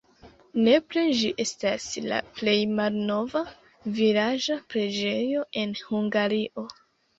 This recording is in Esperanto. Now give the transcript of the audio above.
Nepre ĝi estas la plej malnova vilaĝa preĝejo en Hungario.